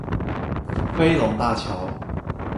飛龍大橋